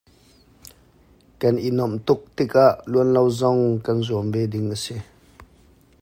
Kan i nuamh tuk tikah luan lo zong kan zuam ve ding a si.